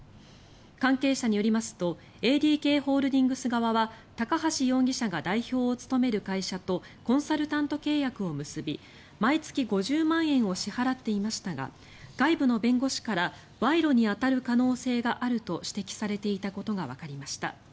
関係者によりますとＡＤＫホールディングス側は高橋容疑者が代表を務める会社とコンサルタント契約を結び毎月５０万円を支払っていましたが外部の弁護士から賄賂に当たる可能性があると指摘されていたことがわかりました。